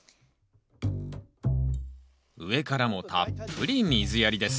上からもたっぷり水やりです。